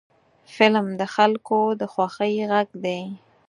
فلم د خلکو د خوښۍ غږ دی